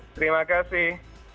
baik terima kasih